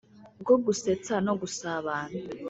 bwo gusestsa no gusabana